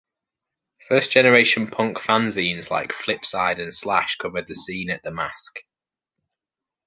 First generation punk fanzines like "Flipside" and "Slash" covered the scene at the Masque.